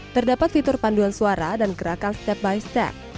terdapat fitur panduan suara dan gerakan step by step